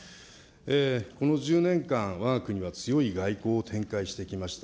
この１０年間、わが国は強い外交を展開してきました。